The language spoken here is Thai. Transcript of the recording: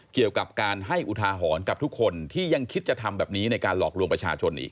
เกี่ยวกับการให้อุทาหรณ์กับทุกคนที่ยังคิดจะทำแบบนี้ในการหลอกลวงประชาชนอีก